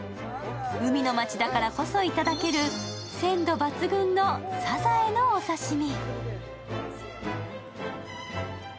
海の町だからこそいただける鮮度抜群のさざえのお刺身。